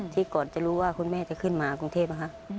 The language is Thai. ก่อนจะรู้ว่าคุณแม่จะขึ้นมากรุงเทพนะคะ